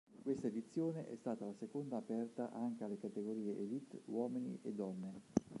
Questa edizione è stata la seconda aperta anche alla categoria Élite uomini e donne.